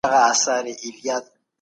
موږ دا ډېر نه پېژنو.